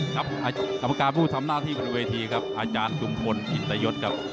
กรรมการผู้ทำหน้าที่บนเวทีครับอาจารย์ชุมพลจิตยศครับ